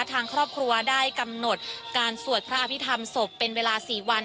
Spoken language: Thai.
ทางครอบครัวได้กำหนดการสวดพระอภิษฐรรมศพเป็นเวลา๔วัน